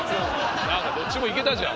何かどっちもいけたじゃん。